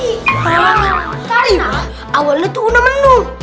karena awalnya itu udah menung